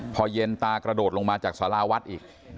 พอเย็นตากระโดดลงมาจากสาราวัดอีก